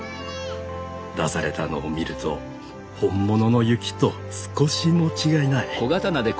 出されたのを見ると本物の雪と少しも違いない！